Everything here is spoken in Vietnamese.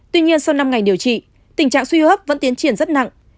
tuy nhiên sau năm ngày điều trị tình trạng suy hấp vẫn tiến triển rất nặng